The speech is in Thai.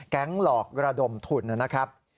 หลอกระดมทุนนะครับ